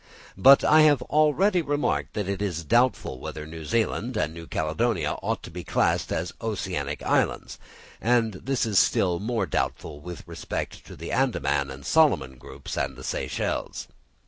But I have already remarked that it is doubtful whether New Zealand and New Caledonia ought to be classed as oceanic islands; and this is still more doubtful with respect to the Andaman and Solomon groups and the Seychelles.